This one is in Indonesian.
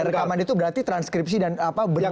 rekaman itu berarti transkripsi dan apa bentuknya